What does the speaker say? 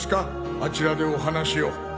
あちらでお話を。